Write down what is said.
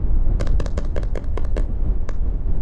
დანიელმა ასევე ერთხელ მოიგო წლის შემაჯამებელი ტურნირი.